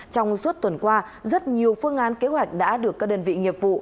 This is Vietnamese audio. trong suốt tuần qua rất nhiều phương án kế hoạch đã được các đơn vị nghiệp vụ